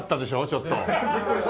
ちょっと。